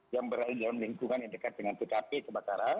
yang berada dalam lingkungan yang dekat dengan tkp kebakaran